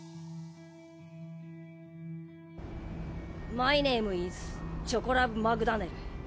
マイネームイズチョコラブ・マクダネル。